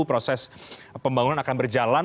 proses pembangunan akan berjalan